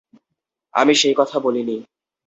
আমি সেই কথা বলিনি।